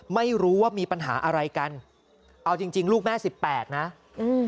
ไม่รู้ว่ามีปัญหาอะไรกันเอาจริงจริงลูกแม่สิบแปดนะอืม